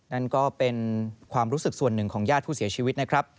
นั่นก็เป็นความรู้สึกส่วนหนึ่งของญาติผู้เสียชีวิตนะครับ